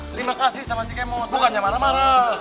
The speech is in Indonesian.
terima kasih sama si kemot bukan nyamara marah